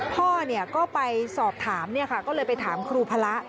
พ่อก็ไปสอบถามก็เลยไปถามครูพระ